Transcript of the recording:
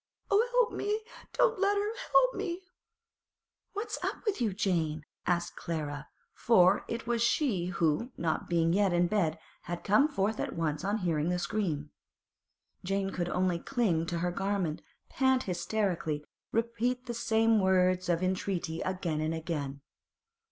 'Oh, help me! Don't let her! Help me!' 'What's up with you, Jane?' asked Clara, for it was she who, not being yet in bed, had come forth at once on hearing the scream. Jane could only cling to her garment, pant hysterically, repeat the same words of entreaty again and again.